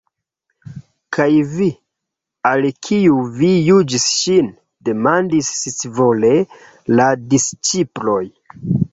"Kaj vi? Al kiu vi juĝis ŝin?" demandis scivole la disĉiploj.